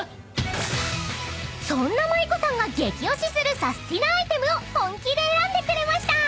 ［そんなＭａｉｋｏさんが激推しするサスティなアイテムを本気で選んでくれました］